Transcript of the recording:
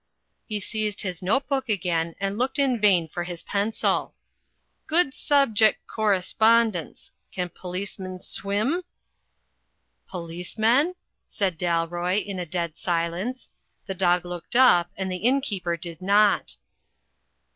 He seized his note book again and looked in vain for his pencil. "Good subjec' cor respondence. Can policem'n swim?" "Policemen?" said Dalroy, in a dead silence. The dog looked up, and the innkeeper did not.